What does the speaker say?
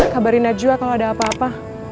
kabarin najwa kalau ada apa apa